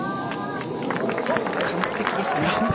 完璧ですね。